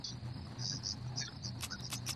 خېمې بېځایه نه درول کېږي.